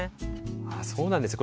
そうなんですね。